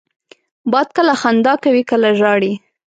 باد کله خندا کوي، کله ژاړي